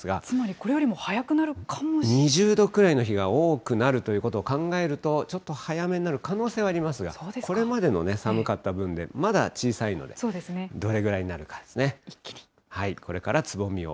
つまりこれよりも早くなるか２０度くらいの日が多くなるということを考えると、ちょっと早めになる可能性はありますが、これまでの寒かった分で、まだ小さいので、どれぐらいになるかで一気に。